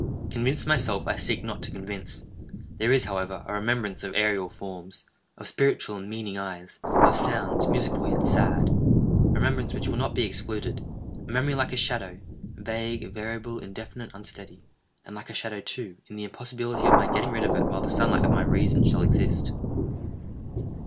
Convinced myself, I seek not to convince. There is, however, a remembrance of aerial forms—of spiritual and meaning eyes—of sounds, musical yet sad—a remembrance which will not be excluded; a memory like a shadow—vague, variable, indefinite, unsteady; and like a shadow, too, in the impossibility of my getting rid of it while the sunlight of my reason shall exist.